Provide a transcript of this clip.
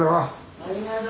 ありがとう。